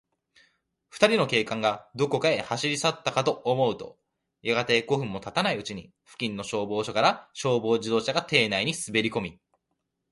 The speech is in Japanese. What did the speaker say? ふたりの警官が、どこかへ走りさったかと思うと、やがて、五分もたたないうちに、付近の消防署から、消防自動車が邸内にすべりこみ、